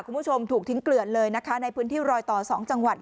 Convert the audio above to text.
คุณผู้ชมถูกทิ้งเกลือดเลยนะคะในพื้นที่รอยต่อ๒จังหวัด